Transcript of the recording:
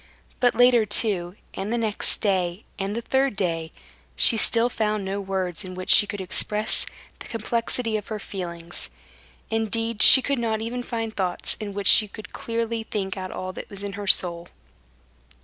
But later too, and the next day and the third day, she still found no words in which she could express the complexity of her feelings; indeed, she could not even find thoughts in which she could clearly think out all that was in her soul.